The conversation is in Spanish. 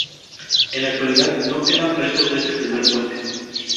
En la actualidad no quedan restos de este primer puente.